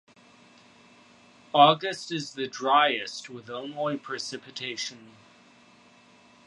August is the driest with only precipitation.